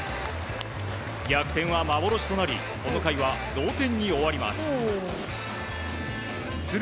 逆転は幻となりこの回は同点に終わります。